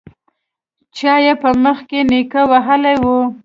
چا يې په مخ کې نيکه وهلی و.